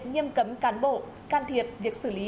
nghiêm cấm cán bộ can thiệp việc xử lý